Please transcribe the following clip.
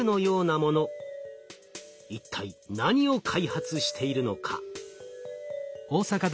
一体何を開発しているのか？